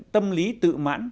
tâm lý tự mãn